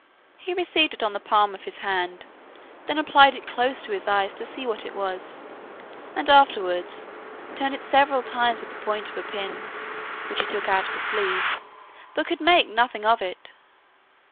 He received it on the palm of his hand, then applied it close to his eye to see what it was, and afterwards turned it several times with the point of a pin (which he took out of his sleeve,) but could make nothing of it.